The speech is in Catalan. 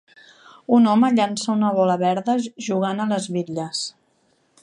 Un home llança una bola verda jugant a les bitlles.